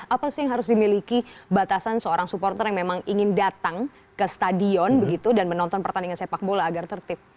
apa sih yang harus dimiliki batasan seorang supporter yang memang ingin datang ke stadion begitu dan menonton pertandingan sepak bola agar tertib